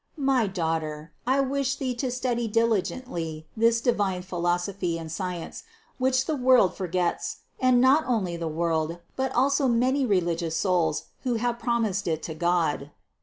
454. My daughter, I wish thee to study diligently this divine philosophy and science, which the world forgets, and not only the world, but also many religious souls, who have promised it to God.